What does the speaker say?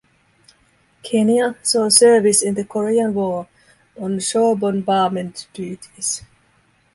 "Kenya" saw service in the Korean War on shore bombardment duties.